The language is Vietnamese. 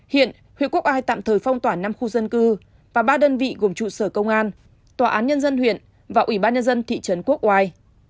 hiện huyện quốc ai tạm thời phong tỏa năm khu dân cư và ba đơn vị gồm trụ sở công an tòa án nhân dân huyện và ủy ban nhân dân thị trấn quốc oai